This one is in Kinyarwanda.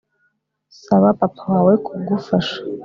Saba papa wawe kugufasha